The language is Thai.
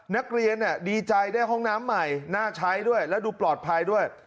นักเรียนดีใจได้ห้องน้ำใหม่น่าใช้ด้วยแล้วดูปลอดภัยด้วย